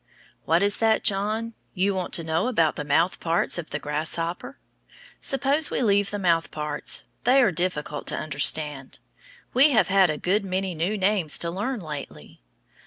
What is that, John? You want to know about the mouth parts of the grasshopper? Suppose we leave the mouth parts. They are difficult to understand. We have had a good many new names to learn lately.